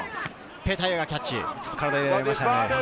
ペタイアがキャッチ。